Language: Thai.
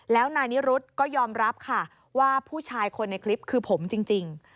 แล้วนายนิรุธก็ยอมรับค่ะว่าผู้ชายคนในคลิปคือผมจริง